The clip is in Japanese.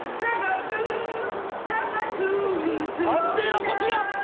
判定はこちら！